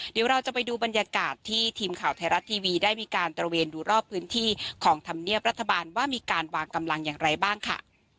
เดี๋ยวเราจะไปดูบรรยากาศที่ทีมข่าวไทยรัฐทีวีได้มีการตระเวนดูรอบพื้นที่ของธรรมเนียบรัฐบาลว่ามีการวางกำลังอย่างไรบ้างค่ะ